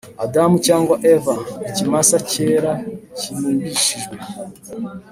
adamu cyangwa eva, ikimasa cyera kirimbishijwe